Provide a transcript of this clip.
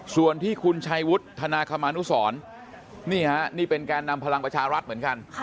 ส่วนที่คุณชัยวุฒิธนาคมานุสรนี่ฮะนี่เป็นแกนนำพลังประชารัฐเหมือนกัน